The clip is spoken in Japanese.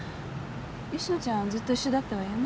吉乃ちゃんずっと一緒だったわよね？